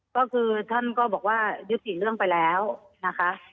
ก็คือท่านก็บอกว่ายุติเรื่องไปแล้วนะคะ